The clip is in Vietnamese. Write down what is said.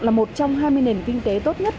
là một trong hai mươi nền kinh tế tốt nhất